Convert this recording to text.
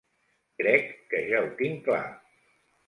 Crec que ja ho tinc clar.